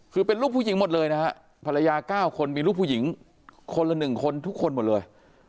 คือเป็นลูกผู้หญิงหมดเลยนะฮะภรรยา๙คนมีลูกผู้หญิงคนละ๑คนทุกคนหมดเลย